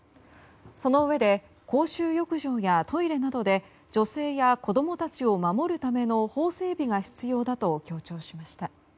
そのうえで公衆浴場やトイレなどで女性や子供たちを守るための法整備が必要だと強調しました。